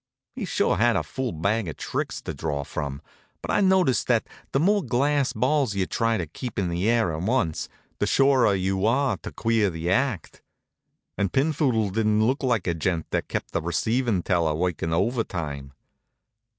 He sure had a full bag of tricks to draw from; but I've noticed that the more glass balls you try to keep in the air at once, the surer you are to queer the act. And Pinphoodle didn't look like a gent that kept the receivin' teller workin' overtime.